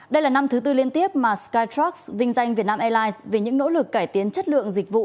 đây là năm thứ tư liên tiếp mà skytrucks vinh danh vietnam airlines vì những nỗ lực cải tiến chất lượng dịch vụ